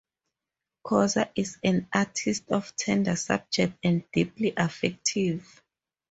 Khoza is an artist of tender subjects and deeply affective.